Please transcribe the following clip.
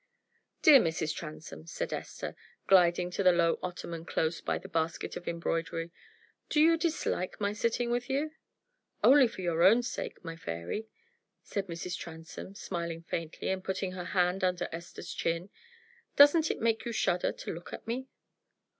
"Dear Mrs. Transome," said Esther, gliding to the low ottoman close by the basket of embroidery, "do you dislike my sitting with you?" "Only for your own sake, my fairy," said Mrs. Transome, smiling faintly, and putting her hand under Esther's chin. "Doesn't it make you shudder to look at me?"